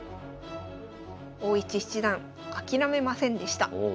大石七段諦めませんでした。